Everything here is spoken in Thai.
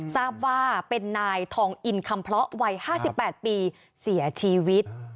ทราบว่าเป็นนายทองอินคำเพราะวัย๕๘ปีเสียชีวิต